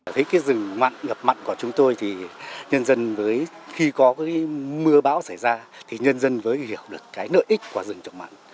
thấy cái rừng mặn ngập mặn của chúng tôi thì nhân dân với khi có cái mưa bão xảy ra thì nhân dân mới hiểu được cái nợ ích của rừng ngập mặn